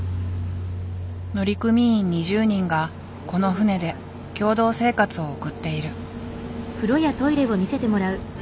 乗組員２０人がこの船で共同生活を送っている。